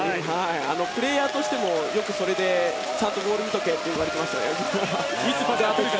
プレーヤーとしてもよくそれでちゃんとボールを見ておけと言われました。